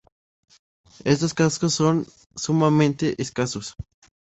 Estos cascos son sumamente escasos.